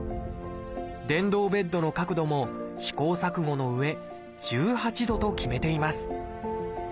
電動ベッドの角度も試行錯誤のうえ１８度と決めています